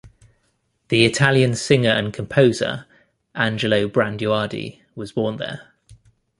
The Italian singer and composer Angelo Branduardi was born there.